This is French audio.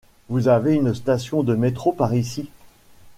Vous avez une station de métro par ici ?